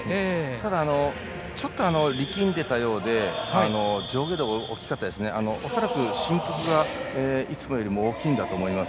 ただ、ちょっと力んでたようで上下動が大きかったですね、恐らく、振幅がいつもより大きいんだと思います。